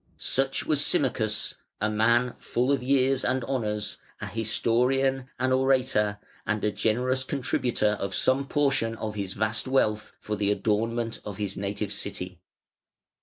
Such was Symmachus, a man full of years and honours, a historian, an orator, and a generous contributor of some portion of his vast wealth for the adornment of his native city.